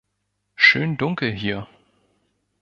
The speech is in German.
Schön dunkel, hier!